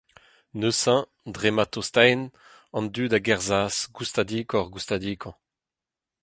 Neuze, dre ma tostaent, an dud a gerzhas goustadikoc’h-goustadikañ.